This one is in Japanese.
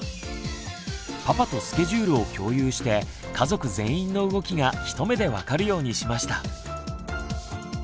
パパとスケジュールを共有して家族全員の動きが一目で分かるようにしました。